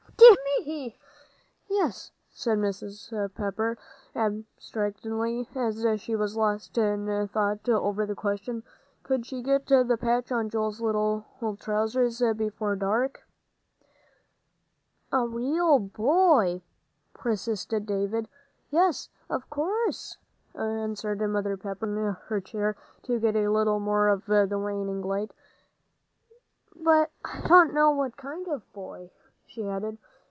"Dear me, yes," said Mrs. Pepper, abstractedly, as she was lost in thought over the question, Could she get the patch on Joel's little trousers before dark? "A real boy?" persisted David. "Yes, of course," answered Mother Pepper, moving her chair to get a little more of the waning light. "But I don't know what kind of a boy," she added.